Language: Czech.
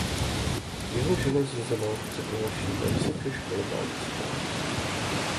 Jeho žena Zuzana přednáší na Vysoké škole báňské.